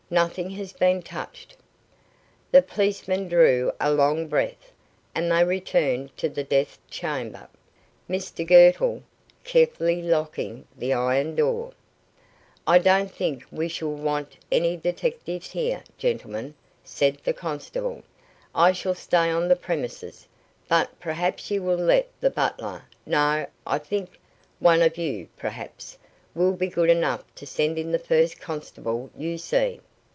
Nothing has been touched." The policeman drew a long breath and they returned to the death chamber, Mr Girtle carefully locking the iron door. "I don't think we shall want any detectives here, gentlemen," said the constable; "I shall stay on the premises, but perhaps you will let the butler no, I think one of you, perhaps will be good enough to send in the first constable you see."